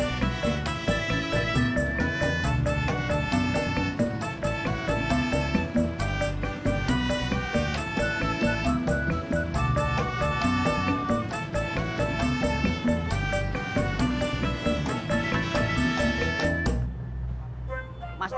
tunggak sudah selesai